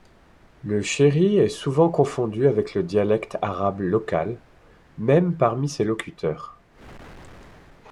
Le shehri est souvent confondu avec le dialecte arabe local, même parmi ses locuteurs.